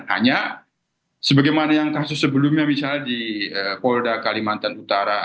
hanya sebagaimana yang kasus sebelumnya misalnya di polda kalimantan utara